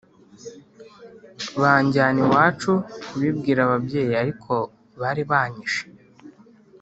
Banjyana iwacu kubibwira ababyeyi ariko bari banyishe